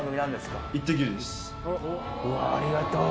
うわっありがとう。